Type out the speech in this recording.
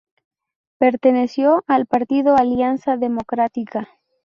Perteneció al partido Alianza Democrática.